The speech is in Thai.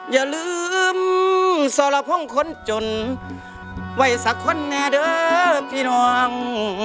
อย่าลืมสรพงศ์คนจนไว้สักคนแน่เด้อพี่น้อง